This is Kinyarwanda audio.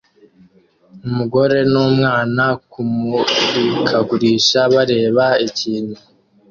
Umugabo numwana kumurikagurisha bareba ikintu